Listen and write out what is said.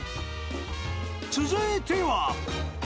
［続いては］